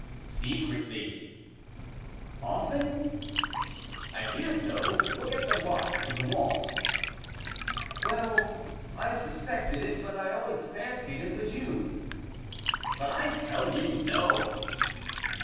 "Secretly." "Often?" "I fear so; look at the marks in the wall." "Well, I suspected it, but I always fancied it was you." "But I tell you, no!"